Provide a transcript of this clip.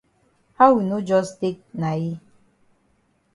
How we no jus take na yi?